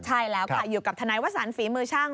ใช่แล้วค่ะอยู่กับทนายวสันฝีมือช่าง